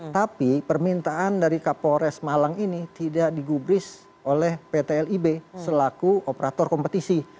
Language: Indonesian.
tapi permintaan dari kapolres malang ini tidak digubris oleh pt lib selaku operator kompetisi